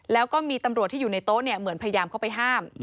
แล้วก็มีตำรวจที่อยู่ในโต๊ะเหมือนพยายามเข้าไปห้าม